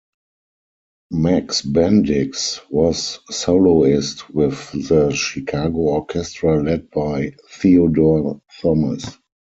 Max Bendix was soloist with the Chicago Orchestra led by Theodore Thomas.